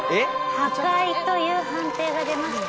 「破壊」という判定が出ました。